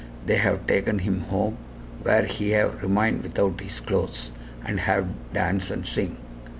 "They have taken him home, where he have remain without his clothes, and have dance and sing.